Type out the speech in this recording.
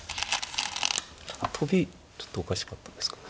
トビちょっとおかしかったんですかね。